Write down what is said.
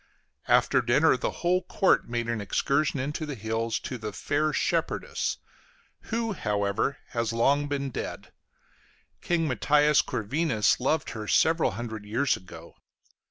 After dinner the whole court made an excursion into the hills, to the "Fair Shepherdess" who, however, has long been dead; King Matthias Corvinus loved her several hundred years ago.